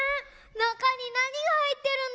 なかになにがはいってるんだろう。